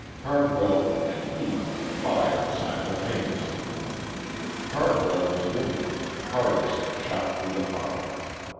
Cardwell and he fired simultaneously. Cardwell was wounded, Hargis shot through the heart.